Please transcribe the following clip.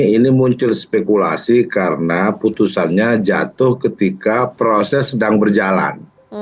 ini muncul spekulasi karena putusannya jatuh ketika proses sedang berjalan